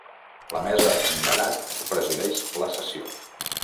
La mesa d’edat presideix la sessió.